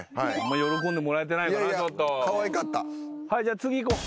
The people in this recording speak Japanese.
じゃあ次行こう。